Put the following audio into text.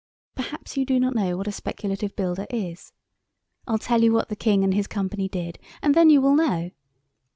Perhaps you do not know what a speculative builder is. I'll tell you what the King and his Co. did, and then you will know.